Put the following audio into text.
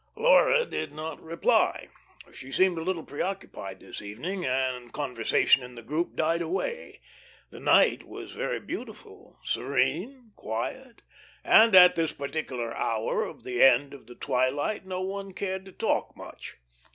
Laura did not reply. She seemed a little preoccupied this evening, and conversation in the group died away. The night was very beautiful, serene, quiet; and, at this particular hour of the end of the twilight, no one cared to talk much.